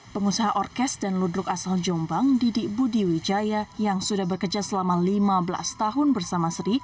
pengusaha orkes dan ludruk asal jombang didi budi wijaya yang sudah bekerja selama lima belas tahun bersama sri